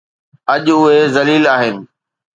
اڄ اهي ذليل آهن.